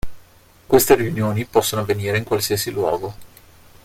Queste riunioni possono avvenire in qualsiasi luogo.